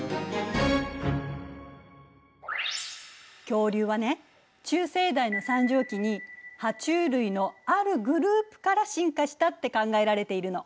恐竜はね中生代の三畳紀にハチュウ類のあるグループから進化したって考えられているの。